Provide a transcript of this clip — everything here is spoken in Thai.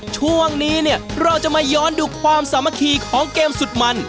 ช่วงนี้เนี่ยเราจะมาย้อนดูความสามัคคีของเกมสุดมัน